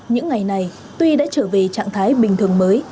những ngày này tuy đã trở về trạng thái bình thường mới